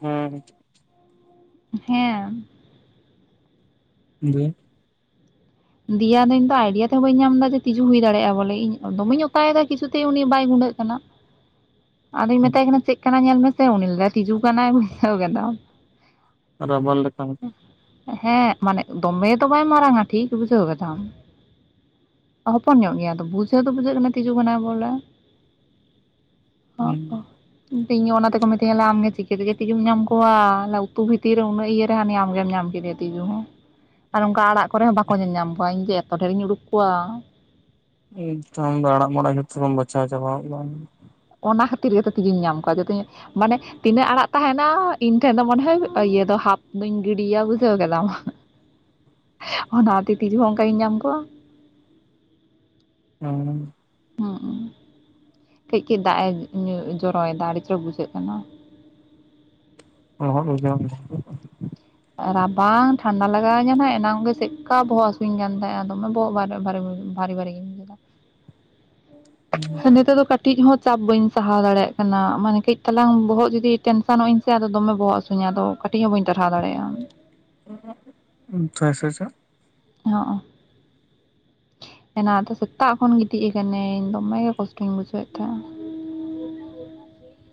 ᱦᱩᱸ ᱦᱩᱸ ᱮᱸ ᱦᱮᱸᱢ ᱫᱤᱭᱮ ᱫᱮᱭᱟ ᱫᱚᱧ ᱛᱚ ᱟᱭᱰᱤᱭᱟ ᱛᱮᱦ ᱵᱟᱹᱧ ᱧᱟᱢ ᱮᱫᱟ ᱡᱮ ᱛᱤᱡᱩ ᱦᱩᱭ ᱫᱟᱲᱮᱭᱟᱜᱼᱟ ᱵᱚᱞᱮ ᱤᱧ ᱫᱚᱢᱮᱧ ᱚᱫᱟᱭ ᱫᱟ ᱠᱤᱪᱷᱩᱛᱮᱭ ᱩᱱᱤ ᱵᱟᱭ ᱜᱩᱸᱰᱟᱹᱜ ᱠᱩᱰᱟᱜ ᱠᱟᱱᱟ ᱟᱫᱚᱭ ᱢᱮᱛᱟᱭ ᱠᱟᱱᱟ ᱪᱮᱫ ᱠᱟᱱᱟᱭ ᱧᱮᱞ ᱢᱮᱥᱮ ᱩᱱᱤ ᱞᱟᱭ ᱫᱟᱭ ᱛᱤᱡᱩ ᱠᱟᱱᱟᱭ ᱵᱩᱡᱷᱟᱹᱣ ᱜᱮᱫᱚ ᱨᱟᱵᱟᱨ ᱞᱮᱠᱟ ᱦᱮᱸ ᱢᱟᱱᱮ ᱫᱚᱢᱮ ᱫᱚ ᱵᱟᱭ ᱢᱟᱨᱟᱝ ᱟ ᱴᱷᱤᱠ ᱵᱩᱡᱷᱟᱹᱣ ᱠᱮᱫᱛᱟᱢ ᱦᱚᱯᱚᱱ ᱧᱚᱜ ᱜᱮᱭᱟ ᱫᱚ ᱵᱩᱡᱷᱟᱹᱣ ᱫᱚ ᱵᱩᱡᱷᱟᱹᱜ ᱠᱟᱱᱟ ᱛᱤᱡᱩ ᱠᱟᱱᱟᱭ ᱵᱚᱞᱮ ᱚᱜ ᱚ ᱛᱤᱧᱟ ᱚᱱᱟ ᱛᱮᱠᱚ ᱢᱤᱛᱟᱹᱧᱟ ᱞᱮ ᱟᱢᱜᱮ ᱪᱤᱠᱟᱹᱛᱮᱡᱮ ᱛᱤᱡᱩᱢ ᱧᱟᱢ ᱠᱚᱣᱟᱮ ᱩᱛᱩ ᱵᱷᱤᱛᱤᱨ ᱨᱮ ᱩᱱᱟᱹᱜ ᱤᱭᱟᱹᱟᱹᱨᱮ ᱦᱟᱹᱱᱤ ᱟᱢᱜᱮᱢ ᱧᱟᱢ ᱠᱮᱫᱮᱭᱟ ᱛᱤᱡᱩ ᱟᱨ ᱚᱱᱠᱟ ᱟᱲᱟᱜ ᱠᱚᱨᱮ ᱦᱚᱸ ᱵᱟᱠᱚ ᱧᱮᱞ ᱧᱟᱢ ᱠᱚᱣᱟ ᱤᱧ ᱡᱮ ᱮᱛᱚ ᱰᱷᱮᱨ ᱤᱧ ᱩᱰᱩᱠ ᱠᱚᱣᱟ ᱫᱚ ᱟᱢ ᱫᱚ ᱟᱲᱟᱜ ᱢᱟᱲᱟᱝ ᱡᱚᱛᱚ ᱜᱮᱢ ᱵᱟᱪᱷᱟᱣ ᱪᱟᱵᱟ ᱠᱚᱣᱟ ᱚᱱᱟ ᱠᱷᱟᱹᱛᱤᱨ ᱜᱮᱛᱚ ᱛᱮᱜᱤᱧ ᱧᱟᱢ ᱠᱚᱣᱟ ᱡᱚᱛᱚᱧ ᱢᱟᱱᱮ ᱛᱤᱱᱟᱹᱜ ᱟᱲᱟᱜ ᱛᱟᱦᱮᱱᱟ ᱤᱧ ᱴᱷᱮᱱ ᱫᱚ ᱢᱚᱱᱮᱦᱟᱭ ᱤᱭᱟᱹ ᱫᱚ ᱦᱟᱯ ᱫᱩᱧ ᱜᱤᱰᱤᱭᱟ ᱵᱩᱡᱷᱟᱹᱣ ᱠᱮᱫᱟᱢᱟ ᱦᱮ ᱚᱱᱟᱛᱮ ᱛᱤᱡᱩ ᱦᱚ ᱚᱱᱠᱟ ᱜᱮᱧ ᱧᱟᱢ ᱠᱚᱣᱟ ᱦᱳ ᱦᱩᱸ ᱠᱷᱤᱡ ᱠᱷᱤᱡ ᱫᱟᱜ ᱮ ᱧᱩ ᱡᱚᱨᱚᱭᱮᱫᱟ ᱟᱹᱰᱤ ᱪᱚᱨᱚᱠ ᱵᱩᱡᱷᱟᱹᱜ ᱠᱟᱱᱟ ᱚ [unintelligible] ᱨᱟᱵᱟᱝ ᱴᱷᱟᱱᱰᱟ ᱞᱟᱜᱟᱣᱤᱧᱟ ᱱᱟᱜ ᱮᱱᱟᱝ ᱜᱮ ᱪᱮᱫᱠᱟ ᱵᱚᱦᱚᱜ ᱦᱟᱹᱥᱩᱧ ᱠᱟᱱ ᱛᱟᱦᱮᱸᱱᱟ ᱫᱚᱢᱮ ᱵᱚᱦᱚᱜ ᱵᱷᱟᱨᱮ ᱵᱷᱟᱨᱮ ᱵᱩ ᱵᱟᱨᱤ ᱵᱟᱨᱤ ᱜᱮᱧ ᱵᱩᱡᱷᱟᱹᱣᱟ ᱱᱤᱛᱚᱜ ᱫᱟ ᱴᱤᱡ ᱦᱚᱸ ᱪᱟᱯ ᱵᱟᱹᱧ ᱥᱟᱦᱟᱣ ᱫᱟᱲᱮᱭᱟᱜ ᱠᱟᱱᱟ ᱢᱟᱱᱮ ᱠᱟᱹᱡ ᱪᱟᱞᱟᱝ ᱵᱚᱦᱚᱜ ᱡᱩᱫᱤ ᱴᱮᱱᱥᱚᱱᱚᱜ ᱟᱹᱧ ᱥᱮ ᱟᱫᱚ ᱫᱚᱢ ᱵᱚᱦᱚᱜ ᱦᱟᱹᱥᱩᱧᱟ ᱟᱫᱚ ᱠᱟᱹᱴᱤᱡ ᱦᱚᱸ ᱵᱟᱹᱧ ᱴᱟᱨᱦᱟᱣ ᱫᱟᱲᱮᱭᱟᱜ ᱪᱷᱟ ᱪᱷᱟ ᱪᱷᱟ ᱦᱚᱸ ᱮᱱᱟ ᱫᱚ ᱥᱮᱛᱟᱜ ᱠᱷᱚᱱ ᱜᱤᱛᱤᱡ ᱠᱟᱱᱟᱹᱧ ᱫᱚᱢᱮ ᱜᱮ ᱠᱚᱥᱴᱚᱧ ᱵᱩᱡᱷᱟᱹᱣᱮᱜ ᱛᱟᱦᱮᱼᱟ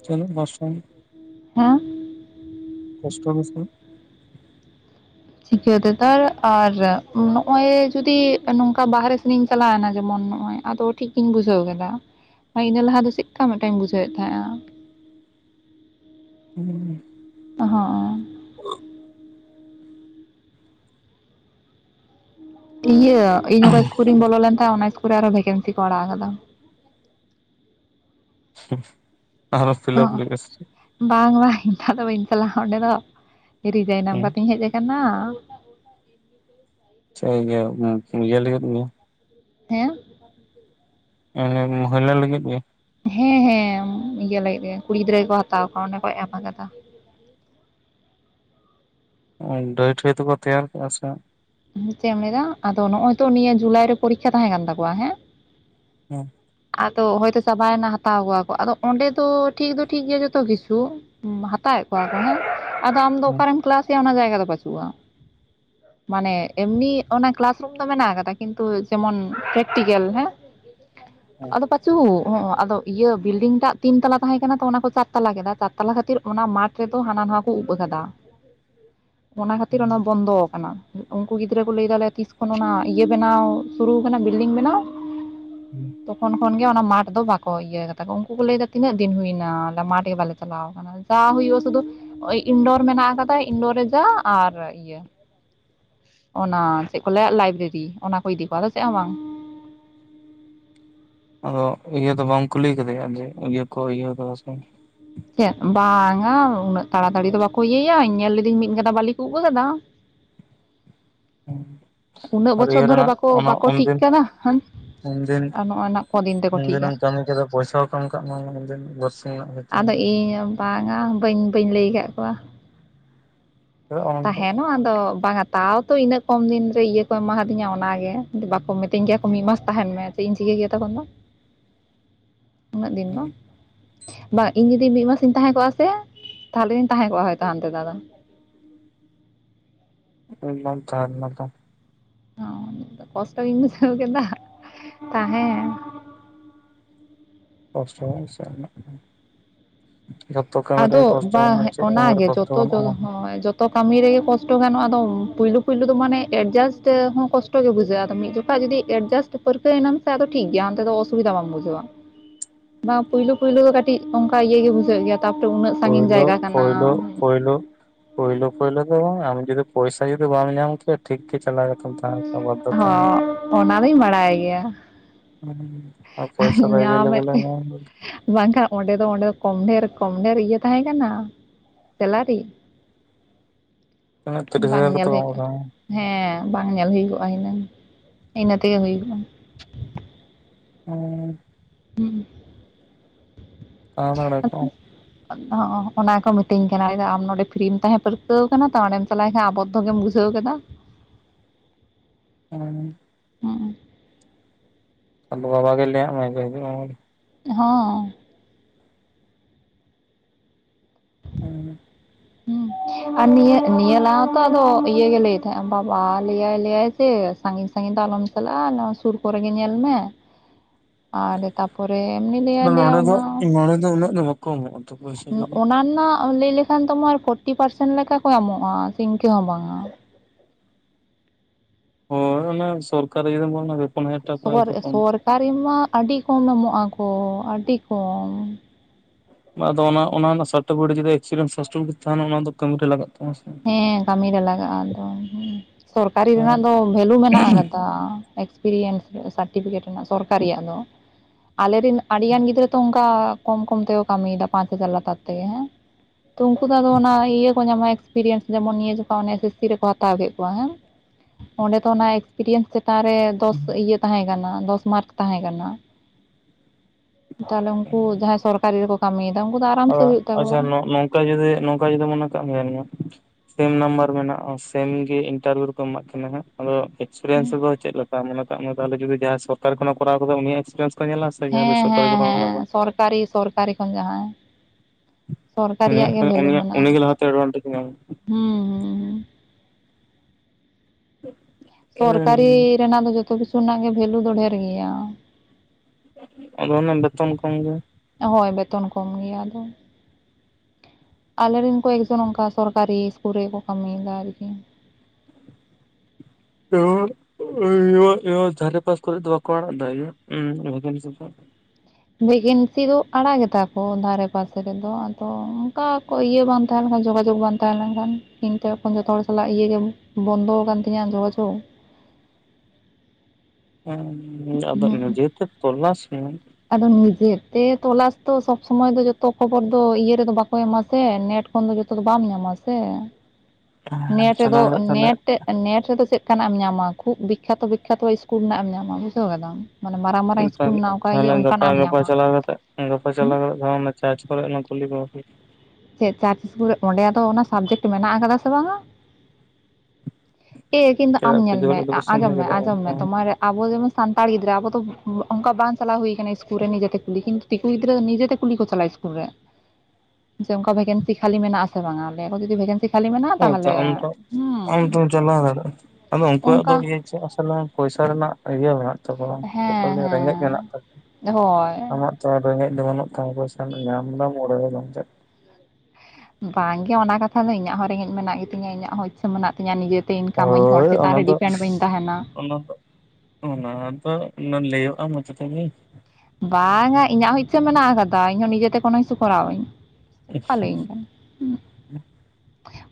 ᱪᱮᱜ ᱱᱟᱜ ᱠᱚᱥᱴᱚ? ᱦᱟ ᱠᱚᱥᱴᱚ ᱜᱮ ᱥᱮ ᱪᱤᱠᱟᱹᱛᱮ ᱫᱚᱨ ᱟᱨ ᱱᱚᱜ ᱚᱭ ᱡᱩᱫᱤ ᱱᱚᱝᱠᱟ ᱵᱟᱦᱨᱮ ᱥᱮᱱ ᱤᱧ ᱪᱟᱞᱟᱣᱱᱟ ᱡᱮᱢᱚᱱ ᱱᱚᱜᱚᱭ ᱟᱫᱚ ᱴᱷᱤᱠ ᱜᱤᱧ ᱵᱩᱡᱷᱟᱹᱣ ᱠᱮᱫᱟ ᱦᱳᱭ ᱤᱱᱟᱹ ᱞᱟᱦᱟ ᱫᱚ ᱪᱮᱜᱠᱟ ᱢᱮᱫᱴᱟᱝᱤᱧ ᱵᱩᱡᱷᱟᱹᱣᱮᱜ ᱛᱟᱦᱮᱸᱜᱼᱟ [inaudible] ᱦᱚᱸ ᱤᱭᱟᱹ ᱤᱧ ᱚᱠᱟ ᱤᱥᱠᱩᱞ ᱨᱤᱧ ᱵᱚᱞᱚ ᱞᱮᱱ ᱛᱟᱦᱮᱸᱜ ᱚᱱᱟ ᱤᱥᱠᱩᱞ ᱨᱮ ᱟᱨᱦᱚᱸ ᱵᱷᱮᱠᱮᱱᱥᱤ ᱠᱚ ᱟᱲᱟᱜ ᱟᱠᱟᱫᱟ᱾ ᱟᱨ ᱯᱷᱤᱞᱟᱹᱯ ᱦᱚᱸ ᱞᱤᱠᱟᱥ ᱵᱟᱝ ᱵᱟᱝ ᱟᱫᱚ ᱵᱟᱹᱧ ᱪᱟᱞᱟᱜᱼᱟ ᱚᱸᱰᱮ ᱫᱚ ᱨᱤᱡᱟᱭᱤᱱ ᱮᱢ ᱠᱟᱛᱮᱧ ᱦᱮᱡ ᱠᱟᱱᱟ᱾ [unintelligible] ᱦᱮᱸ ᱚᱱᱮᱢ [unintelligible] ᱞᱟᱹᱜᱤᱫ ᱜᱮ ᱦᱮᱸ ᱦᱮᱸ ᱤᱭᱟᱹ ᱞᱟᱹᱜᱤᱫ ᱜᱮ ᱠᱩᱲᱤ ᱜᱤᱫᱽᱨᱟᱹ ᱜᱮᱠᱚ ᱦᱟᱛᱟᱣ ᱠᱚᱣᱟ ᱚᱸᱰᱮ ᱠᱚ ᱮᱢ ᱠᱟᱫᱟ᱾ ᱦᱚᱜᱚᱭ ᱰᱟᱦᱤ ᱴᱷᱟᱹᱭ ᱫᱚᱠᱚ ᱛᱮᱭᱟᱨ ᱠᱟᱜᱼᱟ ᱥᱮ ᱵᱟ? ᱦᱮᱸ ᱪᱮᱜ ᱮᱢ ᱞᱮᱭᱫᱟ ᱟᱫᱚ ᱱᱚᱜᱼᱚᱭ ᱛᱚ ᱱᱤᱭᱟᱹ ᱡᱩᱞᱟᱭ ᱨᱮ ᱯᱚᱨᱤᱠᱠᱷᱟ ᱛᱟᱦᱮᱸ ᱠᱟᱱ ᱛᱟᱠᱚᱣᱟ ᱦᱮᱸ ᱦᱮᱸ ᱟᱫᱚ ᱦᱳᱭᱛᱚ ᱪᱟᱵᱟᱭᱮᱱᱟ ᱦᱟᱛᱟᱣ ᱠᱚᱣᱟ ᱠᱚ ᱟᱫᱚ ᱚᱸᱰᱮ ᱫᱚ ᱴᱷᱤᱠ ᱫᱚ ᱴᱷᱤᱠ ᱜᱮᱭᱟ ᱡᱚᱛᱚ ᱠᱤᱪᱷᱩ ᱦᱟᱛᱟᱣᱮᱜ ᱠᱚᱣᱟ ᱠᱚ ᱦᱮᱸ ᱟᱫᱚ ᱟᱢᱫᱚ ᱚᱠᱟᱨᱮᱢ ᱠᱮᱞᱟᱥᱮᱜᱼᱟ ᱚᱱᱟ ᱡᱟᱭᱜᱟ ᱫᱚ ᱵᱟᱹᱪᱩᱜᱼᱟ᱾ ᱢᱟᱱᱮ ᱮᱢᱱᱤ ᱚᱱᱟ ᱠᱞᱟᱥᱨᱩᱢ ᱫᱚ ᱢᱮᱱᱟᱜ ᱠᱟᱫᱟ ᱠᱤᱱᱛᱩ ᱡᱮᱢᱚᱱ ᱯᱨᱮᱠᱴᱤᱠᱮᱞ ᱦᱮᱸ ᱟᱫᱚ ᱯᱟᱪᱩ ᱵᱟᱵᱩ ᱦᱚᱸ ᱦᱚᱸ ᱟᱫᱚ ᱤᱭᱟᱹ ᱵᱤᱞᱰᱤᱝ ᱴᱟᱜ ᱛᱤᱱ ᱛᱟᱞᱟ ᱛᱟᱦᱮᱸ ᱠᱟᱱᱟ ᱛᱚ ᱚᱱᱟ ᱠᱚ ᱪᱟᱨ ᱛᱟᱞᱟ ᱠᱮᱫᱟ ᱪᱟᱨ ᱛᱟᱞᱟ ᱠᱷᱟᱹᱛᱤᱨ ᱚᱱᱟ ᱢᱟᱴᱷ ᱨᱮᱛᱚ ᱦᱟᱱᱟ ᱱᱟᱣᱟ ᱠᱚ ᱩᱵ ᱟᱠᱟᱫᱟ ᱯᱷᱟᱸᱠᱟ ᱜᱮᱭᱟ ᱾ ᱚᱱᱟ ᱠᱷᱟᱹᱛᱤᱨ ᱚᱱᱟ ᱵᱚᱱᱫᱚᱣ ᱠᱟᱱᱟ ᱾ ᱩᱝᱠᱩ ᱜᱤᱫᱽᱨᱟᱹ ᱠᱚ ᱞᱮᱭ ᱫᱟ ᱟᱞᱮᱭᱟᱜ ᱛᱤᱥ ᱠᱷᱚᱱ ᱚᱱᱟ ᱤᱭᱟᱹ ᱵᱮᱱᱟᱣ ᱥᱩᱨᱩ ᱠᱟᱱᱟ ᱵᱤᱞᱰᱤᱝ ᱵᱮᱱᱟᱣ? [inaudible] ᱯᱦᱟᱸᱠᱟ ᱜᱮᱭᱟ ᱾ ᱩᱱ ᱠᱷᱚᱱᱜᱮ ᱚᱱᱟ ᱢᱟᱴᱷ ᱫᱚ ᱵᱟᱠᱚ ᱤᱭᱟᱹ ᱠᱟᱫᱟ ᱠᱚ ᱩᱝᱠᱩ ᱠᱚ ᱞᱮᱭᱮᱫᱟ ᱛᱤᱱᱟᱹᱜ ᱫᱤᱱ ᱦᱩᱭᱮᱱᱟ ᱟᱞᱮ ᱢᱟᱴᱷ ᱜᱮ ᱵᱟᱞᱮ ᱪᱟᱞᱟᱣ ᱠᱟᱱᱟ, ᱾ ᱛᱟ ᱦᱩᱭᱩᱜᱼᱟ ᱥᱩᱫᱩ ᱤᱱᱰᱳᱨ ᱢᱮᱱᱟᱜ ᱠᱟᱫᱟ ᱤᱱᱰᱳᱨ ᱨᱮ ᱡᱟ ᱟᱨ ᱤᱭᱟᱹ ᱾ ᱚᱱᱟ ᱪᱮᱜ ᱠᱚ ᱞᱮᱭᱟ ᱞᱟᱭᱵᱮᱨᱤ ᱚᱱᱟ ᱠᱚ ᱤᱫᱤ ᱠᱚᱣᱟ ᱟᱫᱚ ᱪᱮᱜ ᱦᱚᱸ ᱵᱟᱝ ᱾ ᱟᱫᱚ ᱤᱭᱟᱹ ᱫᱚ ᱵᱟᱢ ᱠᱩᱞᱤ ᱠᱟᱫᱮᱭᱟ ᱡᱮ ᱤᱭᱟᱹ ᱠᱚ ᱤᱭᱟᱹ ᱠᱟᱫᱟ ᱥᱮ ᱵᱟᱝ? ᱪᱮᱫ ᱵᱟᱝᱟ ᱩᱱᱟᱹᱜ ᱛᱟᱲᱟᱛᱟᱲᱤ ᱫᱚ ᱵᱟᱠᱚ ᱤᱭᱟᱹᱭᱟ ᱤᱧ ᱧᱮᱞ ᱞᱤᱫᱤᱧ ᱢᱤᱫ ᱜᱟᱫᱟ ᱵᱟᱞᱤ ᱠᱚ ᱩᱵ ᱠᱟᱫᱟ ᱾ ᱴᱷᱮᱝ-ᱜᱚᱡ ᱾ ᱟᱫᱚ ᱩᱱᱟᱹᱜ ᱵᱚᱪᱷᱚᱨ ᱫᱷᱚᱨᱮ ᱵᱟᱠᱚ ᱵᱟᱠᱚ ᱴᱷᱤᱠ ᱠᱟᱱᱟ, ᱦᱟᱝ ᱾ ᱩᱱᱫᱤᱱ, ᱩᱱᱫᱤᱱᱮᱢ ᱠᱟᱹᱢᱤ ᱠᱮᱫᱟ ᱯᱚᱭᱥᱟ ᱵᱟᱠᱚ ᱮᱢ ᱠᱟᱜ ᱢᱮ ᱩᱱᱫᱤᱱ ᱵᱟᱨᱥᱤᱝ ᱱᱟᱜ ᱜᱮ? ᱟᱫᱚ ᱤᱧ ᱵᱟᱝᱟ ᱵᱟᱹᱧ ᱵᱟᱹᱧ ᱞᱟᱹᱭ ᱠᱟᱜ ᱠᱚᱣᱟ ᱾ ᱛᱟᱦᱮᱱᱚᱜ ᱟᱫᱚ ᱵᱟᱝᱟᱫ ᱾ ᱛᱟᱣ ᱛᱚ ᱤᱱᱟᱹ ᱠᱚᱢ ᱫᱤᱱ ᱛᱮ ᱤᱭᱟᱹ ᱠᱚ ᱮᱢᱟᱦᱟᱫᱤᱧᱟ ᱚᱱᱟᱜᱮ ᱵᱟᱠᱚ ᱢᱤᱛᱟᱹᱧ ᱠᱮᱭᱟ ᱠᱚ ᱢᱤᱜ ᱢᱟᱥ ᱛᱟᱦᱮᱱ ᱢᱮ ᱾ ᱪᱮᱜ ᱤᱧ ᱪᱤᱠᱟᱹ ᱠᱮᱭᱟ ᱮᱛᱚᱠᱷᱚᱱ ᱫᱚ? ᱯᱷᱟᱸᱠᱟ ᱜᱮᱭᱟ ᱾ ᱩᱱᱟᱹᱜ ᱫᱤᱱ ᱫᱚ? ᱯ-ᱮᱦ, ᱵᱟ ᱤᱧ ᱡᱩᱫᱤ ᱢᱤᱜ ᱢᱟᱥᱤᱧ ᱛᱟᱦᱮᱸ ᱠᱚᱜᱼᱟ ᱥᱮ ᱛᱟᱦᱞᱮᱧ ᱛᱟᱦᱮᱸ ᱠᱚᱜᱼᱟ ᱦᱚᱭᱛᱚ ᱦᱟᱱᱛᱮ ᱫᱚ ᱟᱫᱚ ᱾ ᱤᱧ ᱢᱟᱹᱧ ᱛᱟᱦᱮ ᱞᱮᱱᱟ ᱛᱚ ᱾ ᱚ, ᱠᱚᱥᱴᱚ ᱜᱤᱧ ᱵᱩᱷᱡᱷᱟᱹᱣ ᱷᱚ ᱠᱮᱫᱟᱷᱦ ᱛᱟᱦᱮᱸ ᱾ ᱠᱚᱥᱴᱚ ᱢᱟ ᱪᱮᱜ ᱨᱮᱱᱟᱜ? ᱟᱫᱚ ᱠᱚᱥᱴᱚ ᱵᱟ ᱢᱮᱱᱟᱜᱼᱟ ᱦᱮᱸ ᱪᱮᱫ ᱠᱟᱹᱢᱤ ᱨᱮ ᱚᱱᱟᱜᱮ ᱠᱚᱥᱴᱚ ᱡᱚᱛᱚ ᱡᱚ ᱵᱟᱹᱱᱩᱜᱼᱟ ᱦᱚᱸᱭ ᱡᱚᱛ ᱛᱚ ᱠᱟᱹᱢᱤ ᱨᱮᱜᱮ ᱠᱚᱥᱴᱚ ᱜᱟᱱᱚᱜᱼᱟ ᱟᱫᱚ ᱯᱩᱭᱞᱩ ᱯᱩᱭᱞᱩ ᱫᱚ ᱢᱟᱱᱮ ᱮᱰᱡᱟᱥᱴ ᱛᱮ ᱦᱚᱸ ᱠᱚᱥᱴᱚᱜ ᱜᱮ ᱵᱩᱡᱷᱟᱹᱜᱼᱟ ᱟᱫᱚ ᱢᱤᱫ ᱡᱚᱠᱷᱟᱡ ᱡᱩᱫᱤ -ᱼ ᱮᱰᱡᱟᱥᱴᱚ ᱯᱟᱹᱨᱠᱟᱹᱣᱮᱱᱟᱢ ᱥᱮ ᱟᱫᱚ ᱴᱷᱤᱠ ᱜᱮᱭᱟ ᱚᱱᱛᱮᱫᱚ ᱚᱥᱩᱵᱤᱫᱷᱟ ᱵᱟᱢ ᱵᱩᱡᱷᱟᱹᱣᱟ ᱾ ᱯᱷᱟᱸᱠᱟ ᱜᱮᱭᱟ ᱾ ᱵᱟᱝ ᱯᱳᱭᱞᱳ ᱯᱳᱭᱞᱳ ᱫᱚ ᱠᱟᱹᱴᱤᱡ ᱚᱝᱠᱟ ᱤᱭᱟᱹ ᱜᱮ ᱵᱩᱡᱷᱟᱹᱜ ᱜᱮᱭᱟ ᱛᱟᱯᱚᱨᱮ ᱩᱱᱟᱹᱜ ᱥᱟᱺᱜᱤᱧ ᱯᱳᱭᱞᱳ ᱡᱟᱭᱜᱟ ᱠᱟᱱᱟ ᱯᱳᱭᱞᱳ ᱾ ᱯᱳᱭᱞᱳ ᱯᱳᱭᱞᱳ ᱯᱳᱭᱞᱳ ᱫᱚ ᱟᱢ ᱡᱚᱫᱤ ᱯᱚᱭᱥᱟ ᱡᱩᱫᱤ ᱵᱟᱢ ᱧᱟᱢ ᱠᱮᱭᱟ, ᱴᱷᱤᱠ ᱜᱮ ᱪᱟᱞᱟ ᱛᱚᱛᱷᱟ ᱟᱵᱫᱷᱚᱛᱚᱢᱚ ᱾ ᱚᱱᱟ ᱫᱩᱧ ᱵᱟᱲᱟᱭ ᱜᱮᱭᱟ ᱾ ᱚ, ᱯᱚᱭᱥᱟ ᱫᱚ ᱧᱟᱢᱮᱫ ᱮᱹᱵᱮᱹᱼᱞᱮᱹᱵᱮᱹᱞ ᱞᱮ ᱛᱮ ᱮᱢᱟᱢ ᱫᱚ ᱾ ᱵᱟᱝᱠᱷᱟᱱ ᱚᱸᱰᱮ ᱫᱚ-ᱚᱸᱰᱮ ᱫᱚ ᱠᱚᱢ ᱰᱷᱮᱹᱨ- ᱠᱚᱢ ᱰᱷᱮᱹᱨ ᱤᱭᱟᱹ ᱛᱟᱦᱮᱸ ᱠᱟᱱᱟ ᱥᱮᱞᱟᱨᱤ ᱾ ᱯᱷᱟᱸᱠᱟ ᱜᱮᱭᱟ ᱾ ᱯ-ᱪᱚᱜ, ᱵᱟᱝ ᱧᱮᱞ ᱦᱳᱭᱳᱜᱼᱟ, ᱦᱮᱸᱻ ᱵᱟᱝ ᱧᱮᱞ ᱦᱩᱭᱩᱜᱚᱜᱼᱟ ᱦᱤᱱᱟᱹᱝ ᱤᱱᱟᱹ ᱛᱮᱜᱮ ᱦᱳᱭᱳᱜᱚᱼᱟ᱾ ᱚᱸᱻ ᱾ ᱩᱸᱷ ᱾ ᱟᱲ ᱟᱲᱮ ᱠᱚ, ᱦᱚᱸᱜ ᱚ ᱚᱱᱟ ᱠᱚ ᱢᱤᱛᱟᱹᱧ ᱠᱟᱱᱟ ᱟᱢ ᱱᱚᱰᱮ ᱯᱷᱨᱤᱢ ᱛᱟᱦᱮᱸ ᱯᱟᱹᱨᱠᱟᱹᱣ ᱠᱟᱱᱟ ᱛᱚ, ᱚᱸᱰᱮᱢ ᱪᱟᱞᱟᱭ ᱮᱱᱟ ᱟᱵᱚᱫᱽᱫᱷᱚ ᱜᱮᱢ ᱵᱩᱡᱷᱟᱹᱣ ᱠᱮᱫᱟ᱾ ᱚᱜ ᱾ ᱟᱫᱚ ᱵᱟᱵᱟ ᱜᱮ ᱞᱟᱹᱭᱟᱜ ᱢᱮᱭᱟᱭ ᱡᱮ ᱦᱤᱡᱩᱜ ᱢᱮ ᱢᱳᱲ ᱾ ᱦᱚᱸ ᱾ ᱩᱸᱼᱩᱸᱜ ᱾ ᱦᱩᱸ ᱟᱨ ᱱᱤᱭᱟᱹ ᱱᱤᱭᱟᱹ ᱞᱟᱦᱟ ᱛᱚ ᱟᱫᱚ ᱤᱭᱟᱹ ᱜᱮ ᱞᱟᱹᱭ ᱛᱟᱦᱮᱸᱜ ᱟᱢ ᱵᱟᱵᱟ ᱞᱟᱹᱭᱟᱭ ᱞᱟᱹᱭᱟᱭ ᱥᱮ ᱾ ᱥᱟᱺᱜᱤᱧ ᱥᱟᱺᱜᱤᱧ ᱫᱚ ᱟᱞᱚᱢ ᱪᱟᱞᱟᱜᱼᱟ ᱱᱟᱣᱟ ᱥᱩᱨ ᱠᱚᱨᱮ ᱜᱮ ᱧᱮᱞ ᱢᱮ ᱾ [unintelligible] ᱟᱰᱮ ᱛᱟᱯᱚᱨᱮ ᱮᱢᱱᱤ ᱞᱟᱹᱭᱟᱭ ᱞᱟᱹᱭᱟ ᱱᱚᱰᱮ ᱚᱱᱟ ᱫᱚ ᱱᱚᱬᱮ ᱫᱚ ᱩᱱᱟᱹᱜ ᱫᱚ ᱵᱟᱠᱚ ᱮᱢᱚᱜᱼᱟᱠᱚ ᱛᱚ ᱯᱩᱭᱥ ᱚᱱᱟ ᱱᱟᱜ ᱞᱟᱹᱭ ᱞᱮᱠᱷᱟᱱ ᱛᱚᱢᱟᱨ ᱯᱷᱳᱨᱴᱤ ᱯᱟᱨᱥᱮᱱ ᱞᱮᱠᱟ ᱠᱚ ᱮᱢᱚᱜᱼᱟ, ᱥᱮ ᱤᱱᱠᱟᱹ ᱦᱚᱸ ᱵᱟᱝᱼᱟ᱾ ᱦᱳᱭ ᱚᱱᱟ ᱥᱚᱨᱠᱟᱨ ᱤᱭᱟᱹ ᱮᱢᱟᱱ ᱥᱚᱵᱚᱨ ᱮᱷ ᱥᱚᱨᱠᱟᱨᱤᱼᱨᱮ ᱢᱟ ᱟᱹᱰᱤ ᱠᱚᱢ ᱮᱢᱚᱜ ᱟᱠᱚ ᱟᱹᱰᱤ ᱠᱚᱢ᱾ ᱵᱟᱸ ᱟᱫᱚ ᱚᱱᱟ ᱚᱱᱟ ᱱᱮᱱᱟᱜ ᱥᱟᱨᱴᱚᱯᱤᱠᱮᱴ ᱡᱚᱫᱤ ᱮᱠᱥᱯᱨᱤᱭᱮᱸᱥ ᱥᱟᱨᱴᱚᱯᱤᱠᱮᱴ ᱛᱟᱦᱮᱱᱟ ᱚᱱᱟ ᱫᱚ ᱠᱟᱹᱢᱤ ᱨᱮ ᱞᱟᱜᱟᱜ ᱛᱟᱢᱟ ᱥᱮ᱾ ᱦᱮᱸ ᱠᱟᱹᱢᱤ ᱨᱮ ᱞᱟᱜᱟᱜᱼᱟ, ᱟᱫᱚ ᱦᱩᱸ ᱥᱚᱨᱠᱟᱨᱤ ᱨᱮᱱᱟᱜ ᱦᱮᱸ ᱫᱚ ᱵᱷᱮᱞᱩ ᱢᱮᱱᱟᱜ ᱟᱠᱟᱫᱟ, ᱮᱠᱥᱯᱮᱨᱤᱭᱤᱱᱥ ᱥᱟᱨᱴᱤᱯᱤᱠᱮᱴ ᱨᱮᱱᱟᱜ ᱥᱚᱨᱠᱟᱨᱤᱭᱟᱜ ᱫᱚ᱾ ᱟᱞᱮᱨᱮᱱ ᱟᱹᱰᱤᱜᱟᱱ ᱜᱤᱫᱽᱨᱟᱹ ᱛᱚ ᱚᱝᱠᱟ ᱠᱚᱢ ᱠᱚᱢ ᱛᱮᱠᱚ ᱠᱟᱹᱢᱤᱭᱮᱫᱟ, ᱯᱟᱸᱪ ᱦᱟᱡᱟᱨ ᱞᱟᱛᱟᱨ ᱛᱮᱜᱮ ᱦᱮᱸ᱾ ᱛᱚ ᱩᱱᱠᱩ ᱫᱚ ᱟᱫᱚ ᱚᱱᱟ ᱤᱭᱟᱹ ᱠᱚ ᱧᱟᱢᱟ ᱮ ᱯᱮᱨᱤᱭᱮᱱᱥ ᱡᱮᱢᱚᱱ ᱱᱤᱭᱟᱹ ᱡᱚᱠᱷᱚᱱ ᱮᱥᱮᱥᱤ ᱨᱮ ᱠᱚ ᱦᱟᱛᱟᱣ ᱠᱮᱜ ᱠᱚᱣᱟ ᱦᱮᱸ᱾ ᱚᱸᱰᱮ ᱫᱚ ᱚᱱᱟ ᱮᱠᱥᱯᱨᱤᱭᱮᱱᱥ ᱪᱮᱛᱟᱱ ᱨᱮ ᱫᱚᱥ ᱤᱭᱟᱹ ᱛᱟᱦᱮᱸ ᱠᱟᱱᱟ, ᱫᱚᱥ ᱢᱟᱨᱠ ᱛᱟᱦᱮᱸ ᱠᱟᱱᱟ᱾ ᱛᱟᱦᱞᱮ ᱩᱱᱠᱩ ᱡᱟᱦᱟᱸᱭ ᱥᱚᱨᱠᱟᱨᱤ ᱨᱮᱠᱚ ᱠᱟᱹᱢᱤᱭᱮᱫᱟ, ᱩᱱᱠᱩ ᱫᱚ ᱟᱨᱟᱢ ᱥᱮ ᱦᱳᱭᱳᱜ ᱛᱟᱠᱚᱣᱟ᱾ ᱠᱟ ᱡᱩᱫᱤ ᱱᱚᱝᱠᱟ ᱡᱩᱫᱤ ᱢᱚᱱᱮ ᱠᱟᱜ ᱢᱮᱱᱢᱮ ᱥᱮᱱ ᱱᱟᱢᱵᱟᱨ ᱢᱮᱱᱟᱜᱼᱟ ᱥᱮᱢ ᱜᱮ ᱤᱱᱴᱟᱨᱵᱤᱭᱩ ᱨᱮ ᱠᱚ ᱮᱢᱟᱜ ᱠᱤᱱᱟ ᱦᱟᱜ ᱟᱫᱚ ᱮᱠᱥᱯᱨᱤᱭᱮᱱᱥ ᱨᱮᱫᱚ ᱪᱮᱫ ᱞᱮᱠᱟ? ᱢᱚᱱᱮ ᱠᱟᱜ ᱢᱮ ᱛᱟᱦᱞᱮ ᱡᱩᱫᱤ ᱡᱟᱦᱟᱭ ᱥᱚᱨᱠᱟᱨ ᱠᱷᱚᱱᱮ ᱠᱚᱨᱟᱣ ᱠᱟᱫᱟ ᱩᱱᱤᱭᱟᱜ ᱮᱠᱥᱯᱤᱨᱤᱭᱮᱱᱥ ᱠᱚ ᱧᱮᱞᱟ, ᱥᱮ ᱡᱟᱦᱟᱸᱭ ᱦᱮᱸᱻ ᱵᱮᱥᱚᱨᱠᱟᱨᱤ ᱦᱮᱸᱻ ᱠᱚᱨᱟᱣ ᱠᱟᱫᱟ ᱦᱮᱸᱻ ᱥᱚᱨᱠᱟᱨᱤ-ᱥᱚᱨᱠᱟᱨᱤ ᱠᱷᱚᱱ ᱡᱟᱦᱟᱸᱭ ᱥᱚᱨᱠᱟᱨᱤᱭᱟᱜ ᱩᱱᱤᱭᱟᱜ ᱜᱮ ᱵᱷᱮᱞᱩ ᱩᱱᱤᱭᱟᱜ ᱢᱮᱱᱟᱜ ᱩᱱᱤᱜᱮ ᱟᱠᱟᱫᱟ, ᱞᱟᱦᱟᱛᱮ ᱮᱰᱵᱷᱟᱱᱴᱮᱡᱽ ᱧᱟᱢᱟ ᱦᱩᱸ ᱦᱩᱸ᱾ ᱦᱩᱸ [unintelligible] ᱥᱚᱨᱠᱟᱨᱤ ᱨᱮᱱᱟᱜ ᱫᱚ ᱡᱚᱛᱚ ᱠᱤᱪᱷᱩ ᱨᱮᱱᱟᱜ ᱜᱮ ᱵᱷᱮᱞᱩ ᱫᱚ ᱰᱷᱮᱹᱨ ᱜᱮᱭᱟ᱾ ᱟᱫᱚ ᱚᱱᱮ ᱵᱮᱛᱚᱱ ᱠᱚᱢ ᱜᱮᱭᱟ᱾ ᱮᱸ ᱦᱳᱭ ᱵᱮᱛᱚᱱ ᱠᱚᱢ ᱜᱮᱭᱟ ᱟᱫᱚ ᱟᱞᱮᱨᱤᱱ ᱠᱚᱭᱮᱠ ᱡᱚᱱ ᱚᱱᱠᱟ ᱥᱚᱨᱠᱟᱨᱤ ᱤᱥᱠᱩᱞ ᱨᱮᱜᱮ ᱠᱚ ᱠᱟᱹᱢᱤᱭᱮᱫᱟ ᱟᱨᱠᱤ᱾ [unintelligible] ᱡᱷᱟᱨᱮ ᱯᱟᱥ ᱠᱚᱨᱮᱜ ᱫᱚ ᱵᱟᱠᱚ ᱟᱲᱟᱜ ᱫᱟ ᱤᱭᱟᱹ ᱩᱸ [unintelligible] ᱵᱷᱮᱠᱮᱱᱥᱤ ᱫᱚ ᱟᱲᱟᱜ ᱮᱫᱟ ᱠᱚ ᱫᱷᱟᱨᱮ ᱯᱟᱥ ᱨᱮᱫᱚ, ᱟᱫᱚ ᱚᱱᱠᱟ ᱟᱠᱚ ᱤᱭᱟᱹ ᱵᱟᱝ ᱛᱟᱦᱮᱸ ᱞᱮᱠᱷᱟᱱ ᱡᱳᱜᱟᱡᱳᱜᱽ ᱵᱟᱝ ᱛᱟᱦᱮᱸᱞᱮᱱᱠᱷᱟᱱ ᱤᱧᱛᱮ ᱮᱠᱷᱚᱱ ᱡᱚᱛᱚ ᱦᱚᱲ ᱥᱟᱞᱟᱜ ᱤᱭᱟᱹᱜᱮ ᱵᱚᱱᱫᱚ ᱟᱠᱟᱱ ᱛᱤᱧᱟ, ᱡᱳᱜᱟᱡᱳᱜᱽ᱾ [unintelligible] ᱟᱫᱚᱜ ᱦᱩᱸ ᱱᱤᱡᱮᱛᱮ ᱛᱚᱞᱞᱟᱥ [unintelligible] ᱟᱫᱚ ᱱᱤᱡᱮᱛᱮ ᱛᱚᱞᱟᱥ ᱫᱚ ᱥᱚᱵᱽ ᱥᱚᱢᱚᱭ ᱫᱚ ᱡᱚᱛᱚ ᱠᱷᱚᱵᱚᱨ ᱫᱚ ᱤᱭᱟᱹ ᱨᱮᱫᱚ ᱵᱟᱠᱚ ᱮᱢᱟ ᱥᱮ ᱱᱮᱴ ᱠᱷᱚᱱ ᱫᱚ ᱡᱚᱛᱚ ᱫᱚ ᱵᱟᱢ ᱧᱟᱢᱟ ᱥᱮ? [unintelligible] ᱱᱮᱴ ᱨᱮᱫᱚ ᱪᱟᱞᱟᱣ ᱛᱟᱦᱞᱮ ᱱᱮᱴ ᱛᱮᱜ ᱱᱮᱴ ᱨᱮᱫᱚ ᱪᱮᱜ ᱠᱟᱱᱟᱜ ᱮᱢ ᱧᱟᱢᱟ ᱠᱷᱩᱵ ᱵᱤᱠᱠᱷᱟᱛᱚ ᱵᱤᱠᱠᱷᱟᱛᱚ ᱤᱥᱠᱩᱞ ᱨᱮᱱᱟᱜ ᱮᱢ ᱧᱟᱢᱟ ᱵᱩᱡᱷᱟᱹᱣ ᱠᱟᱫᱟᱢ ᱾ ᱢᱟᱱᱮ ᱢᱟᱨᱟᱝ ᱢᱟᱨᱟᱝ ᱤᱥᱠᱩᱞ ᱱᱟᱜ ᱾ ᱛᱟᱦᱚᱞᱮ ᱜᱟᱯᱟ ᱜᱟᱯᱟ ᱪᱟᱞᱟᱣ ᱠᱟᱛᱮᱫ ᱜᱟᱯᱟ ᱦᱩᱸ ᱪᱟᱞᱟᱣ [unintelligible] ᱪᱟᱨᱡ ᱠᱚᱨᱮᱞᱟᱝ ᱠᱩᱞᱤ ᱠᱚᱣᱟ᱾ ᱪᱮᱫ ᱪᱟᱨᱡ ᱤᱥᱠᱩᱞ ᱨᱮ, ᱚᱸᱰᱮ ᱟᱫᱚ ᱚᱱᱟ ᱥᱟᱵᱡᱮᱠᱴ ᱢᱮᱱᱟᱜ ᱟᱠᱟᱫᱟ ᱥᱮ ᱵᱟᱝᱼᱟ? ᱮ ᱠᱤᱱᱛᱩ ᱟᱢ ᱪᱮᱫᱟᱜ ᱧᱮᱞ ᱢᱮ, ᱯᱷᱤᱡᱤᱠᱮᱞ ᱟᱸ ᱮᱰᱩᱠᱮᱥᱚᱱ ᱟᱸᱡᱚᱢ ᱫᱚ ᱢᱮ ᱪᱮᱫᱟᱜ ᱵᱟᱢ ᱟᱸᱡᱚᱢ ᱢᱮ ᱛᱟᱦᱮᱱᱟ ᱛᱳᱢᱟᱨ ᱟᱵᱚ ᱡᱮᱢᱚᱱ ᱥᱟᱱᱛᱟᱲ ᱜᱤᱫᱽᱨᱟᱹ ᱟᱵᱚ ᱫᱚ [unintelligible] ᱚᱱᱠᱟ ᱵᱟᱝ ᱪᱟᱞᱟᱣ ᱦᱩᱭ ᱠᱟᱱᱟ ᱤᱥᱠᱩᱞ ᱨᱮ ᱱᱤᱡᱮ ᱛᱮ ᱠᱩᱞᱤ, ᱠᱤᱱᱛᱩ ᱫᱤᱠᱩ ᱜᱤᱫᱽᱨᱟᱹ ᱱᱤᱡᱮ ᱛᱮ ᱠᱩᱞᱤ ᱠᱚ ᱪᱟᱞᱟᱜ-ᱟ ᱤᱥᱠᱩᱞ ᱨᱮ ᱾ ᱡᱮ ᱚᱝᱠᱟ ᱵᱷᱮᱠᱮᱱᱥᱤ ᱠᱷᱟᱞᱤ ᱢᱮᱱᱟᱜ-ᱟ ᱥᱮ ᱵᱟᱝ-ᱟ [unintelligible] ᱡᱩᱫᱤ ᱵᱷᱮᱠᱮᱱᱥᱤ ᱠᱷᱟᱹᱞᱤ ᱢᱮᱱᱟᱜᱼᱟ ᱦᱮᱸᱪᱚ ᱛᱟᱦᱚᱞᱮ ᱟᱢ ᱛᱚ ᱟᱢ ᱦᱩᱸ ᱛᱚᱢ ᱪᱟᱞᱟᱣ ᱫᱟᱲᱮᱭᱟᱜᱼᱟ, ᱟᱫᱚ ᱩᱱᱠᱩᱣᱟᱜ ᱫᱚ ᱚᱱᱠᱟ ᱤᱭᱟᱹ ᱪᱮᱫ ᱟᱥᱚᱞᱮ ᱯᱚᱭᱥᱟ ᱨᱮᱱᱟᱜ ᱤᱭᱟᱹ ᱢᱮᱱᱟᱜ ᱛᱟᱠᱚᱣᱟ ᱪᱮᱫ ᱠᱚ ᱦᱮᱸ ᱞᱟᱹᱭᱟ ᱨᱮᱸᱜᱮᱡ ᱦᱮᱸ ᱢᱮᱱᱟᱜ ᱛᱟᱠᱚᱣᱟ ᱦᱳᱭ ᱾ ᱟᱢᱟᱜ ᱛᱚ ᱟᱨ ᱨᱮᱸᱜᱮᱡ ᱫᱚ ᱵᱟᱹᱱᱩᱜ ᱛᱟᱢᱟ ᱯᱚᱭᱥᱟ ᱨᱮᱱᱟᱜ ᱧᱟᱢ ᱫᱟᱢ ᱩᱲᱟᱹᱣ ᱫᱟᱢ ᱪᱮᱫ? ᱵᱟᱝ ᱜᱮ ᱚᱱᱟ ᱠᱟᱛᱷᱟ ᱫᱚ ᱤᱧᱟᱜ ᱦᱚᱸ ᱨᱮᱸᱜᱮᱡ ᱢᱮᱱᱟᱜ ᱜᱮᱛᱤᱧᱟ, ᱤᱧᱟᱹᱜ ᱦᱚᱸ ᱤᱪᱪᱷᱟᱹ ᱢᱮᱱᱟᱜ ᱛᱤᱧᱟ ᱱᱤᱡᱮ ᱛᱮ ᱤᱱᱠᱟᱢᱟᱹᱧ ᱦᱚᱲ ᱦᱳᱭ ᱪᱮᱛᱟᱱ ᱚᱱᱟ ᱨᱮ ᱫᱚ ᱰᱤᱯᱮᱱᱰ ᱵᱟᱹᱧ ᱛᱟᱦᱮᱸᱱᱟ ᱾ ᱚᱱᱟ ᱫᱚ ᱚᱱᱟ ᱫᱚ ᱞᱟᱹᱭᱚᱜᱼᱟ ᱢᱚᱪᱟ ᱛᱮᱜᱮ ᱾ ᱵᱟᱝᱟ ᱤᱧᱟᱹᱜ ᱦᱚᱸ ᱤᱪᱪᱷᱟᱹ ᱢᱮᱱᱟᱜ ᱟᱠᱟᱫᱟ, ᱤᱧᱦᱚᱸ ᱱᱤᱡᱮ ᱛᱮ ᱠᱚᱱᱳ ᱠᱤᱪᱷᱩ ᱠᱚᱨᱟᱣ ᱟᱹᱧ ᱾ ᱪᱮᱫ ᱠᱚ ᱞᱟᱹᱭᱟᱹᱧ ᱠᱟᱱᱟ? [inaudible]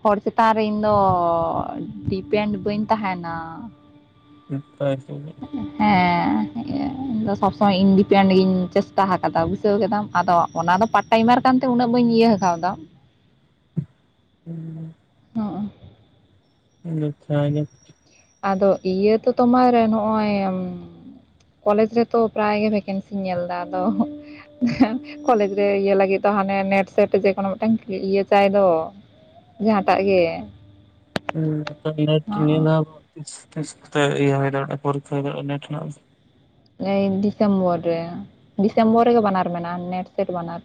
ᱦᱚᱲ ᱪᱮᱛᱟᱱ ᱨᱮ ᱤᱧᱫᱚ ᱰᱤᱯᱮᱱᱰ ᱵᱟᱹᱧ ᱛᱟᱦᱮᱸᱱᱟ ᱾ [unintelligible] ᱦᱮᱸ᱾ [inaudible] ᱟᱫᱚ ᱥᱚᱵᱽ ᱥᱚᱢᱚᱭ ᱤᱧ ᱰᱤᱯᱮᱱᱰ ᱜᱤᱧ ᱪᱮᱥᱴᱟ ᱟᱠᱟᱫᱟ ᱵᱩᱡᱷᱟᱹᱣ ᱠᱮᱫᱟᱢ, ᱟᱫᱚ ᱚᱱᱟ ᱫᱚ ᱯᱟᱴ ᱴᱟᱭᱤᱢᱟᱨ ᱠᱟᱱ ᱛᱮ ᱩᱱᱟᱹᱜ ᱵᱟᱹᱧ ᱤᱭᱟᱹ ᱠᱟᱣᱫᱟ ᱾ ᱦᱩᱸ᱾ ᱦᱚᱸᱜᱼᱚ ᱜᱚᱪᱷᱟ ᱜᱮ᱾ ᱟᱫᱚ ᱤᱭᱟᱹ ᱛᱚ ᱛᱳᱢᱟᱨ ᱱᱚᱜᱼᱚᱭ, ᱠᱚᱞᱮᱡᱽ ᱨᱮ ᱛᱚ ᱯᱨᱟᱭ ᱜᱮ ᱵᱷᱮᱠᱮᱱᱥᱤᱧ ᱧᱮᱞ ᱮᱫᱟ, ᱟᱫᱚ ᱠᱚᱞᱮᱡᱽ ᱨᱮ ᱤᱭᱟᱹ ᱞᱟᱹᱜᱤᱫ ᱫᱚ ᱦᱟᱱᱮ ᱱᱮᱴ ᱥᱮᱴ ᱡᱮᱠᱳᱱᱳ ᱢᱤᱫᱴᱟᱝ ᱤᱭᱟᱹ ᱪᱟᱭ ᱫᱚ ᱾ ᱡᱟᱦᱟᱸᱴᱟᱜ ᱜᱮ ᱾ ᱱᱮᱴ ᱱᱤᱭᱟᱹᱫᱷᱟᱣ ᱛᱤᱥ ᱛᱤᱥ ᱠᱚᱛᱮ ᱤᱭᱟᱹ ᱦᱳᱭ ᱱᱟ ᱢᱤᱫᱴᱟᱝ ᱯᱚᱨᱤᱠᱠᱷᱟ ᱦᱮᱱᱟᱜ-ᱟ ‌ᱱᱮᱴ ᱨᱮᱱᱟᱜ? ᱮᱭ ᱰᱤᱥᱮᱢᱵᱚᱨ, ᱨᱮ ᱰᱤᱥᱮᱢᱵᱚᱨ ᱨᱮᱜᱮ ᱵᱟᱱᱟᱨ ᱢᱮᱱᱟᱜᱼᱟ ᱱᱮᱴ ᱥᱮᱴ ᱵᱟᱱᱟᱨ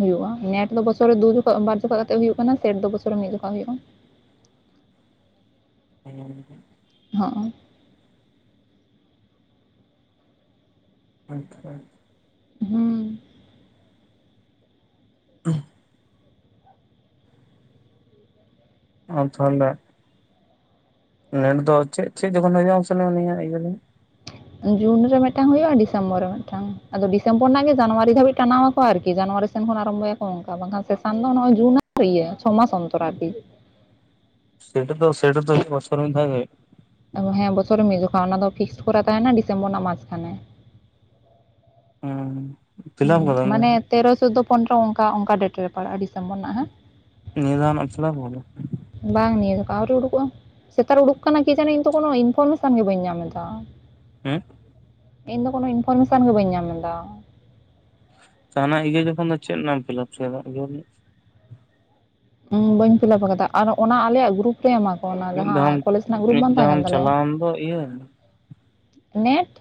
ᱦᱩᱭᱩᱜᱼᱟ᱾ ᱱᱮᱴ ᱫᱚ ᱵᱚᱪᱷᱚᱨ ᱨᱮ ᱫᱩ ᱡᱚᱠᱷᱚᱡ ᱵᱟᱨ ᱡᱚᱠᱷᱷᱟ ᱠᱟᱛᱮ ᱦᱩᱭᱩᱜ ᱠᱟᱱᱟ, ᱥᱮᱴ ᱫᱚ ᱵᱚᱪᱷᱚᱨ ᱨᱮ ᱢᱤᱫ ᱡᱚᱠᱷᱚᱡ ᱦᱩᱭᱩᱜᱼᱟ ᱾ ᱦᱩᱸ᱾ ᱦᱚᱸᱜ-ᱚᱭ, ᱟᱪᱪᱷᱟ ᱾ ᱦᱩᱸ᱾ [inaudible] ᱟᱨ ᱛᱟᱦᱚᱞᱮ, ᱱᱮᱴ ᱫᱚ ᱪᱮᱫ ᱪᱮᱫ ᱡᱚᱠᱷᱚᱱ ᱦᱩᱭᱩᱜᱼᱟ ᱢᱟᱥᱮ ᱞᱟᱹᱭ ᱢᱮ ᱱᱤᱭᱟᱹ ᱤᱭᱟᱹ ᱞᱮ? ᱡᱩᱱ ᱨᱮ ᱢᱤᱫᱴᱟᱝ ᱦᱩᱭᱩᱜᱼᱟ, ᱰᱤᱥᱮᱢᱵᱚᱨ ᱨᱮ ᱢᱤᱫᱴᱟᱝ ᱟᱫᱚ ᱰᱤᱥᱮᱢᱵᱚᱨ ᱨᱮᱱᱟᱜ ᱜᱮ ᱡᱟᱱᱩᱣᱟᱨᱤ ᱫᱷᱟᱹᱵᱤᱡ ᱴᱟᱱᱟᱣ ᱟᱠᱚ ᱟᱨᱠᱤ ᱡᱟᱱᱩᱣᱟᱨᱤ ᱥᱮᱱ ᱠᱷᱚᱱ ᱟᱨᱟᱢᱵᱚᱭᱟᱠᱚ ᱚᱱᱠᱟ ᱵᱟᱝᱠᱷᱟᱱ ᱥᱮᱥᱟᱱ ᱫᱚ ᱱᱚᱜᱼᱚᱭ ᱡᱩᱱ ᱟᱨ ᱤᱭᱟᱹ ᱪᱷᱚ ᱢᱟᱥ ᱚᱱᱛᱚᱨ ᱟᱨᱠᱤ ᱾ ᱥᱮᱴ ᱫᱚ ᱥᱮᱴ ᱫᱚ ᱵᱪᱷᱚᱨ ᱨᱮ ᱢᱤᱫ ᱫᱷᱟᱹᱣ ᱜᱮ ᱦᱳᱭᱳᱜᱼᱟ? ᱦᱮᱸ ᱵᱚᱪᱷᱚᱨ ᱢᱤᱫ ᱫᱚᱯᱷᱟ ᱚᱱᱟ ᱫᱚ ᱯᱷᱤᱠᱥᱴ ᱠᱚᱨᱟ ᱛᱟᱦᱮᱸᱱᱟ ᱰᱤᱥᱮᱢᱵᱚᱨ ᱨᱮᱱᱟᱜ ᱢᱟᱡ ᱠᱷᱟᱱᱮ ᱾ ᱦᱩᱸᱻᱦᱩᱸ ᱾ ᱦᱮᱸ, ᱢᱟᱱᱮ ᱛᱮᱨᱚ ᱪᱳᱫᱫᱳ ᱯᱚᱱᱨᱚ ᱚᱱᱠᱟ ᱚᱱᱠᱟ ᱰᱮᱴ ᱨᱮ ᱯᱟᱲᱟᱜᱼᱟ ᱰᱤᱥᱮᱢᱵᱚᱨ ᱨᱮᱱᱟᱜ, ᱦᱮᱸ ᱾ ᱱᱤᱭᱟᱹ ᱫᱷᱟᱹᱣ ᱨᱮᱱᱟᱜ ᱮᱢ ᱯᱷᱤᱞᱟᱯ ᱟᱠᱟᱫᱟ? ᱵᱟᱝ ᱱᱤᱭᱟᱹ ᱫᱷᱟᱣ ᱟᱹᱣᱨᱤ ᱩᱰᱩᱠᱚᱜᱼᱟ ᱾ ᱥᱮ ᱛᱟᱦᱚᱞᱮ ᱩᱰᱩᱠ ᱟᱠᱟᱱᱟ ᱠᱤ ᱡᱟᱱᱤ ᱤᱧ ᱫᱚ ᱠᱳᱱᱳ ᱤᱱᱯᱷᱚᱨᱢᱮᱥᱚᱱ ᱜᱮ ᱵᱟᱹᱧ ᱧᱟᱢ ᱮᱫᱟ ᱾ ᱦᱩᱸ᱾ ᱤᱧ ᱫᱚ ᱠᱚᱱᱳ ᱤᱱᱯᱷᱚᱨᱢᱮᱥᱚᱱ ᱜᱮ ᱵᱟᱹᱧ ᱧᱟᱢ ᱮᱫᱟ ᱾ ᱛᱚ ᱦᱟᱱᱮ ᱤᱭᱟᱹ ᱡᱚᱠᱷᱚᱱ ᱫᱚ ᱪᱮᱫ ᱨᱮᱱᱟᱜ ᱮᱢ ᱯᱷᱤᱞᱟᱯ ᱠᱮᱫᱟ ᱩᱭᱦᱟᱹᱨᱢᱮ, ᱵᱟᱹᱧ ᱯᱷᱤᱞᱟᱯ ᱟᱠᱟᱫᱟ ᱟᱨ ᱚᱱᱟ ᱟᱞᱮᱭᱟᱜ ᱜᱩᱨᱩᱯ ᱛᱮ ᱮᱢᱟᱠᱚ ᱚᱱᱟ ᱢᱤᱫ ᱫᱷᱟᱣ ᱡᱟᱦᱟᱸ ᱠᱚᱞᱮᱡᱽ ᱨᱮᱱᱟᱜ ᱜᱨᱩᱯ ᱢᱤᱫ ᱵᱟᱝ ᱛᱟᱦᱮᱸ ᱠᱟᱱ ᱫᱷᱟᱣᱮᱢ ᱛᱟᱞᱮᱭᱟ ᱪᱟᱞᱟᱣᱮᱱ ᱫᱚ ᱤᱭᱟᱹ ᱱᱮᱴ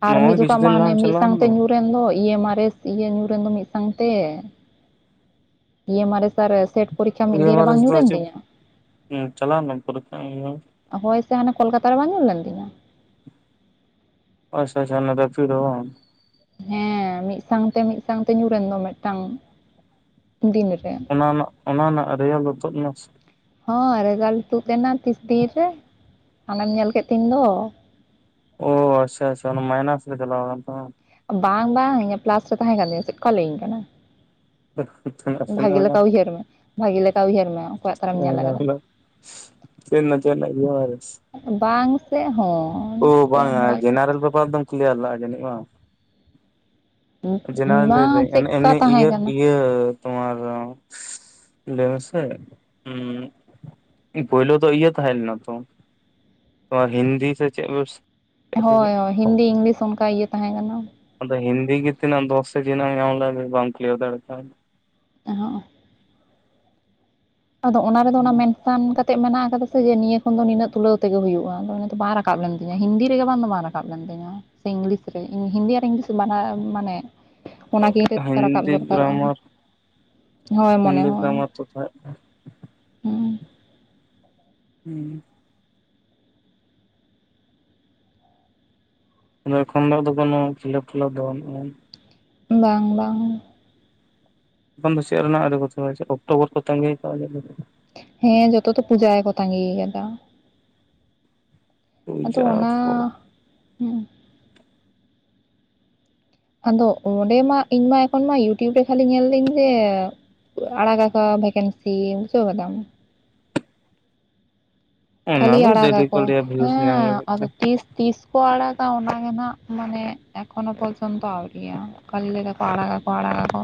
ᱟᱨ ᱢᱤᱫ ᱱᱚᱜᱼᱚᱭ ᱠᱤᱪᱷᱩ ᱡᱚᱠᱷᱟᱜ ᱢᱟ ᱫᱤᱱ ᱦᱟᱱᱮ ᱞᱟᱦᱟᱢ ᱢᱤᱫ ᱪᱟᱞᱟᱣᱮᱱ ᱥᱟᱝᱛᱮ ᱫᱚ ᱧᱩᱨᱮᱱ ᱫᱚ ᱤᱭᱮ. ᱮᱢ‌. ᱟᱨ. ᱮᱥ- ᱤᱭᱟᱹ ᱧᱩᱨᱮᱱ ᱫᱚ ᱢᱤᱫ ᱥᱟᱝᱛᱮ ᱤ. ᱮᱢ. ᱟᱨ. ᱮᱥ ᱟᱨ ᱥᱮᱴ ᱯᱚᱨᱤᱠᱠᱷᱟ ᱤ. ᱢᱤᱫ ᱫᱤᱱ ᱮᱢ. ᱨᱮ ᱟᱨ. ᱵᱟᱝ ᱮᱥ ᱫᱚ ᱧᱩᱨᱮᱱ ᱪᱮᱜ, ᱛᱤᱧᱟᱹ ᱪᱟᱞᱟᱣ ᱞᱮᱱᱟᱢ ᱯᱚᱨᱤᱠᱠᱷᱟ ᱮᱢ? ᱦᱳᱭ ᱥᱮ ᱦᱟᱱᱮ ᱠᱳᱞᱠᱟᱛᱟ ᱨᱮ ᱵᱟᱝ ᱧᱩᱨ ᱞᱮᱱ ᱛᱤᱧᱟ ᱟᱪᱪᱷᱟ ᱟᱪᱪᱷᱟ ᱦᱟᱱᱮ [unintelligible] ᱫᱚᱢ ᱦᱮᱸ ᱢᱤᱜ ᱥᱟᱝᱛᱮ ᱢᱤᱜ ᱥᱟᱝᱛᱮ ᱧᱩᱨᱮᱱ ᱫᱚ ᱢᱤᱜᱴᱟᱝ ᱫᱤᱱ ᱨᱮ᱾ ᱚᱱᱟ ᱨᱮᱱᱟᱜ ᱚᱱᱟ ᱨᱮᱱᱟᱜ ᱨᱮᱡᱟᱞᱴ ᱫᱚ ᱛᱳᱫ ᱱᱚᱥ ᱦᱚᱸ ᱨᱮᱡᱟᱞᱴ ᱛᱩᱫ ᱞᱮᱱᱟ ᱛᱤᱥ ᱫᱤᱱ ᱨᱮ ᱟᱢᱮᱢ ᱧᱮᱞ ᱠᱮᱫ ᱛᱤᱧ ᱫᱚ᱾ ᱚ ᱟᱪᱪᱷᱟ ᱟᱪᱪᱷᱟ ᱚᱱᱟ ᱢᱟᱭᱱᱟᱥ ᱨᱮ ᱪᱟᱞᱟᱣ ᱠᱟᱱ ᱛᱟᱢᱟ᱾ ᱵᱟᱝ ᱵᱟᱝ ᱤᱧᱟᱹᱜ ᱯᱞᱟᱥ ᱨᱮ ᱛᱟᱦᱮᱸ ᱠᱟᱱ ᱛᱤᱧᱟᱹ ᱪᱮᱫᱠᱚ ᱞᱟᱹᱭᱟᱹᱧ ᱠᱟᱱᱟ᱾ ᱪᱮᱫ ᱨᱮᱱᱟᱜ ᱵᱷᱟᱜᱤ ᱞᱮᱠᱟ ᱩᱭᱦᱟᱹᱨ ᱢᱮ ᱵᱷᱟᱜᱤ ᱞᱮᱠᱟ ᱩᱭᱦᱟᱹᱨ ᱢᱮ ᱚᱠᱚᱭᱟᱜ ᱛᱟᱨᱮᱢ ᱧᱮᱞ ᱠᱟᱫᱟ᱾ ᱪᱮᱜ ᱨᱮᱱᱟᱜ ᱪᱮᱜ ᱨᱮᱱᱟᱜ ᱵᱟᱭᱨᱟᱥ ᱵᱟᱝ ᱥᱮ ᱦᱚᱸ, ᱚ ᱵᱟᱝᱟ ᱵᱷᱟᱜᱮ ᱡᱮᱱᱟᱨᱮᱞ ᱯᱮᱯᱟᱨ ᱫᱚᱢ ᱠᱞᱤᱭᱟᱨ ᱱᱟ ᱡᱟᱹᱱᱤᱡ ᱵᱟᱝ, ᱡᱮᱱᱟᱨᱮᱞ ᱢᱟ ᱞᱟᱹᱭᱫᱟᱹᱧ ᱚᱱᱮ ᱪᱮᱫᱠᱟ ᱮᱢᱱᱤ ᱛᱟᱦᱮᱸ ᱤᱭᱟᱹ ᱠᱟᱱᱟ ᱤᱭᱟᱹ ᱛᱚᱢᱟᱨ ᱞᱟᱹᱭ ᱢᱮᱥᱮ ᱩᱸ ᱯᱩᱭᱞᱩ ᱫᱚ ᱤᱭᱟᱹ ᱛᱟᱦᱮᱸ ᱞᱮᱱᱟ ᱛᱚ ᱱᱚᱣᱟ ᱦᱤᱱᱫᱤ ᱥᱮ ᱪᱮᱜ ᱵᱮᱥ ᱦᱚᱭ ᱦᱚᱭ ᱦᱤᱱᱫᱤ ᱤᱝᱞᱤᱥ ᱚᱱᱠᱟ ᱤᱭᱟᱹ ᱛᱟᱦᱮᱸ ᱠᱟᱱᱟ᱾ ᱟᱫᱚ ᱦᱤᱱᱫᱤ ᱜᱮ ᱛᱤᱱᱟᱹᱜ ᱫᱚᱥ ᱥᱮ ᱛᱤᱱᱟᱹᱜ ᱮᱢ ᱧᱟᱢ [unintelligible] ᱵᱟᱢ ᱠᱞᱤᱭᱟᱨ ᱫᱟᱲᱮ ᱠᱟᱣᱫᱟ᱾ ᱮᱸ ᱦᱚᱸᱜᱼᱚ ᱟᱫᱚ ᱚᱱᱟ ᱨᱮᱫᱚ ᱚᱱᱟ ᱢᱮᱱ ᱥᱟᱱ ᱠᱟᱛᱮᱫ ᱢᱮᱱᱟᱜ ᱟᱠᱟᱫᱟ ᱥᱮ ᱡᱮ ᱱᱤᱭᱟᱹ ᱠᱷᱚᱱ ᱫᱚ ᱱᱤᱱᱟᱹᱜ ᱛᱩᱞᱟᱹᱣ ᱛᱮᱜᱮ ᱦᱩᱭᱩᱜᱼᱟ ᱟᱫᱚ ᱩᱱᱟᱹᱜ ᱫᱚ ᱵᱟᱝ ᱨᱟᱠᱟᱵ ᱞᱮᱱ ᱛᱤᱧᱟᱹ ᱦᱤᱱᱫᱤ ᱨᱮᱜᱮ [unintelligible] ᱠᱟᱵ ᱞᱮᱱ ᱛᱤᱧᱟᱹ ᱥᱮ ᱤᱝᱞᱤᱥ ᱨᱮ ᱤᱝ ᱦᱤᱱᱫᱤ ᱟᱨ ᱤᱝᱞᱤᱥ ᱵᱟᱱᱟᱨ ᱢᱟᱱᱮ, ᱚᱱᱟ ᱜᱮ ᱠᱟᱹᱡ ᱦᱩᱸ ᱨᱟᱠᱟᱵ ᱦᱤᱱᱫᱤ ᱫᱚᱨᱠᱟᱨᱚᱜᱼᱟ ᱜᱨᱟᱢᱟᱨ ᱦᱳᱭ ᱢᱚᱱᱮ ᱦᱤᱱᱫᱤ ᱦᱳᱭ᱾ ᱜᱨᱟᱢᱟᱨ [inaudible] ᱦᱩᱸ ᱩᱸ ᱟᱫᱚ ᱮᱠᱷᱚᱱ ᱫᱚ ᱟᱫᱚ ᱠᱚᱱᱚ ᱠᱷᱤᱞᱟᱯ ᱠᱷᱤᱞᱟᱯ ᱫᱚ ᱵᱟᱹᱱᱩᱜᱼᱟ᱾ ᱵᱟᱝ ᱵᱟᱝ᱾ ᱮᱠᱷᱚᱱ ᱫᱚ ᱪᱮᱫ ᱨᱮᱱᱟᱜ ᱟᱫᱚ ᱠᱚ [unintelligible] ᱪᱮᱫ ᱚᱠᱴᱳᱵᱚᱨ ᱠᱚ ᱛᱟᱸᱝᱜᱤ ᱠᱟᱜᱼᱟ [unintelligible] ᱦᱮᱸ ᱡᱷᱚᱛᱚ ᱛᱚ ᱯᱩᱡᱟ ᱜᱮᱠᱚ ᱛᱟᱸᱜᱤ ᱠᱟᱫᱟ᱾ ᱟᱫᱚ ᱯᱩᱡᱟ ᱚᱱᱟ ᱠᱚ ᱦᱚᱸ ᱟᱫᱚ ᱚᱸᱰᱮ ᱢᱟ ᱤᱧ ᱢᱟ ᱮᱠᱷᱚᱱ ᱢᱟ ᱤᱭᱩᱴᱤᱭᱩᱵᱽ ᱨᱮ ᱠᱷᱟᱹᱞᱤ ᱧᱮᱞᱫᱤᱧ ᱡᱮ, ᱟᱲᱟᱜᱟᱠᱚ ᱵᱷᱮᱠᱮᱱᱥᱤ ᱵᱩᱡᱷᱟᱹᱣ ᱠᱟᱫᱟᱢ᱾ ᱚᱱᱟ ᱠᱷᱟᱹᱞᱤ ᱫᱚ ᱟᱲᱟᱜᱟ ᱰᱮᱞᱤ ᱠᱚ ᱞᱟᱹᱭᱟ ᱵᱷᱤᱭᱩᱥ ᱦᱮᱸ ᱧᱟᱢ ᱞᱟᱹᱜᱤᱫ ᱛᱮ ᱟᱫᱚ ᱛᱤᱥ ᱛᱤᱥ ᱠᱚ ᱟᱲᱟᱜᱟ ᱚᱱᱟ ᱜᱮ ᱱᱟᱜ ᱢᱟᱱᱮ ᱮᱠᱷᱳᱱᱳ ᱯᱚᱨᱡᱚᱱᱛᱚ ᱟᱣᱨᱤᱭᱟ᱾ ᱠᱟᱹᱞᱤ ᱞᱟᱹᱭ ᱫᱟᱠᱚ ᱟᱲᱟᱜᱟᱠᱚ ᱟᱲᱟᱜᱟᱠᱚ᱾